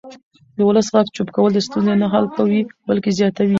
د ولس غږ چوپ کول ستونزې نه حل کوي بلکې زیاتوي